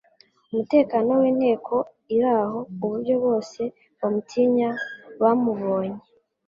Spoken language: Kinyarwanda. umutekano w'inteko iraho, uburyo bose bamutinya bamubonye.